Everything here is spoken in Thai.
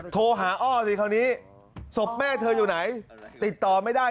โทรหาอ้อสิคราวนี้ศพแม่เธออยู่ไหนติดต่อไม่ได้